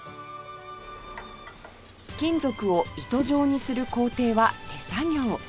金属を糸状にする工程は手作業